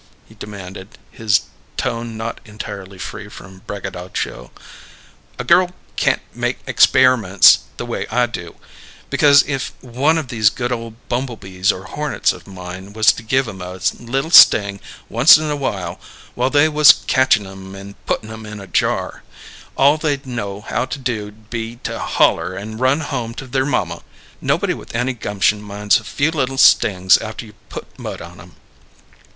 he demanded, his tone not entirely free from braggadocio. "A girl can't make expairaments the way I do, because if one of these good ole bumblebees or hornets of mine was to give 'em a little sting, once in a while, while they was catchin' 'em and puttin' 'em in a jar, all they'd know how to do'd be to holler and run home to their mamma. Nobody with any gumption minds a few little stings after you put mud on 'em."